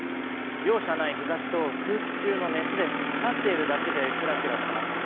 容赦ない日差しと空気中の熱で立っているだけでくらくらします。